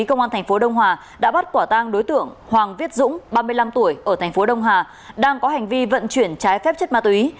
công an tp đông hà đã bắt quả tang đối tượng hoàng viết dũng ba mươi năm tuổi ở tp đông hà đang có hành vi vận chuyển trái phép chất ma túy